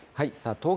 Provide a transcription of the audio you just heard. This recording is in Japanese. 東京、